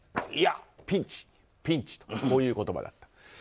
いや、ピンチピンチとこういう言葉だった。